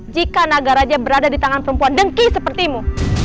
jika naga raja berada di tangan perempuan dengki sepertimu